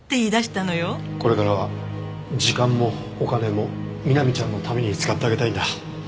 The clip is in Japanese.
これからは時間もお金も美波ちゃんのために使ってあげたいんだ。